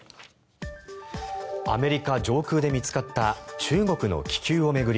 アメリカ上空で見つかった中国の気球を巡り